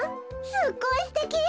すっごいすてき！